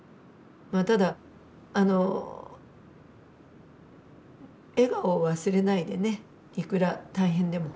まあただあの笑顔を忘れないでねいくら大変でも。